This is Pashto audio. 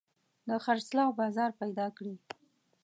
د خرڅلاو بازار پيدا کړي.